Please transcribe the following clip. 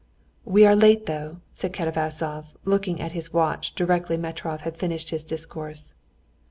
"We are late though," said Katavasov, looking at his watch directly Metrov had finished his discourse.